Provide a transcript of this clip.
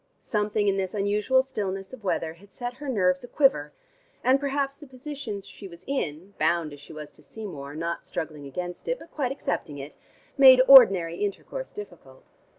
Something in this unusual stillness of weather had set her nerves a quiver, and perhaps the position she was in, bound as she was to Seymour, not struggling against it, but quite accepting it, made ordinary intercourse difficult.